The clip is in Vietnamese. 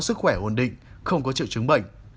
sức khỏe ổn định không có triệu chứng bệnh